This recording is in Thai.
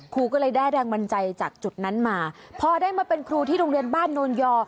ครูก็เลยได้แรงบันใจจากจุดนั้นมาพอได้มาเป็นครูที่โรงเรียนบ้านโนนยอ